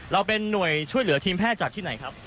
เราเป็นหน่วยช่วยเหลือทีมแพทย์จากที่ไหนครับ